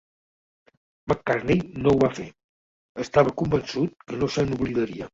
McCartney no ho va fer; estava convençut que no se n'oblidaria.